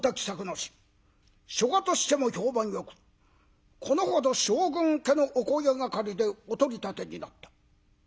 書家としても評判よくこのほど将軍家のお声がかりでお取り立てになった。